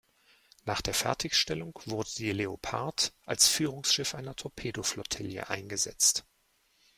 Nach der Fertigstellung wurde die "Leopard" als Führungsschiff einer Torpedo-Flottille eingesetzt.